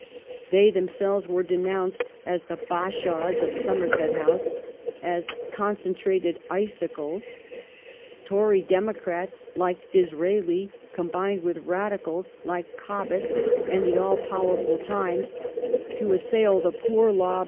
They themselves were denounced as the *' bashaws of Somerset House "; as " concentrated icicles "; Tory Democrats like Disraeli combined with Radicals like Cobbett and the all powerful Times to assail the "Poor Law Bastilles" ^At Rye they were 21s.